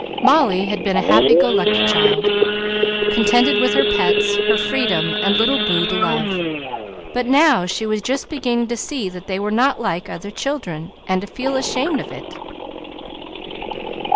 Molly had been a happy go lucky child, contented with her pets, her freedom, and little Boo to love; but now she was just beginning to see that they were not like other children, and to feel ashamed of it.